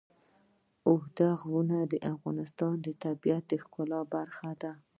اوږده غرونه د افغانستان د طبیعت د ښکلا برخه ده.